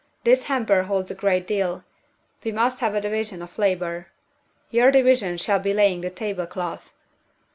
This hamper holds a great deal; we must have a division of labor. Your division shall be laying the tablecloth.